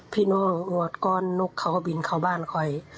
พี่น้องอวดก้อนนกเขาก็บินเข้าบ้านคอย